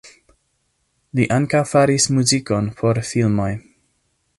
Li ankaŭ faris muzikon por filmoj.